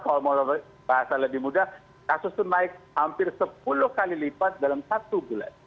kalau mau bahasa lebih mudah kasus itu naik hampir sepuluh kali lipat dalam satu bulan